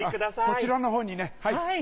こちらのほうにねはい。